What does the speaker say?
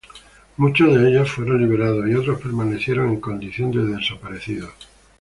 Muchos de ellos fueron liberados y otros permanecen en condición de desaparecidos.